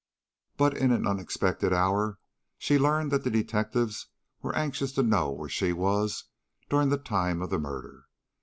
"But in an unexpected hour she learned that the detectives were anxious to know where she was during the time of the murder.